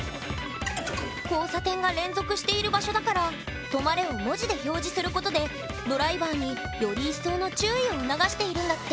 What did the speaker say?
交差点が連続している場所だから「止マレ」を文字で表示することでドライバーにより一層の注意を促しているんだって。